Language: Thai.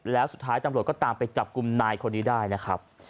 แล้วสุดท้ายตำรวจก็ตามไปจับกลุ่มนายคนนี้ได้นะครับ